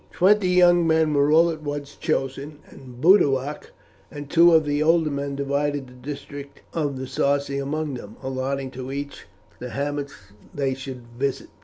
Twenty young men were at once chosen, and Boduoc and two of the older men divided the district of the Sarci among them, allotting to each the hamlets they should visit.